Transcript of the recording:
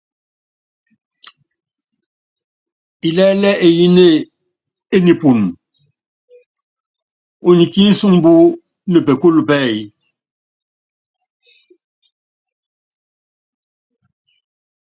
Ilɛ́lɛ́ eyíné e nipun, unyɛ ki nsumbú ne pekul pɛɛy.